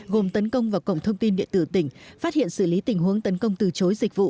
gồm tấn công vào cổng thông tin điện tử tỉnh phát hiện xử lý tình huống tấn công từ chối dịch vụ